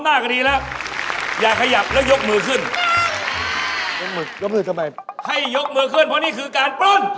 พ่อละเคยเห็นปืนเหรอ